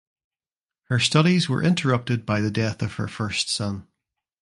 Her studies were interrupted by the death of her first son.